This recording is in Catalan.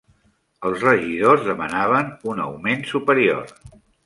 Els regidors demanaven un augment superior